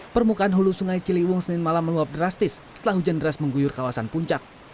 permukaan hulu sungai ciliwung senin malam meluap drastis setelah hujan deras mengguyur kawasan puncak